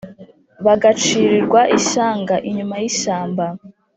bagacirirwa ishyanga inyuma y’ishyamba